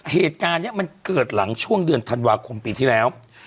เหตุการณ์นี้มันเกิดหลังช่วงเดือนธันวาคมปีที่แล้ว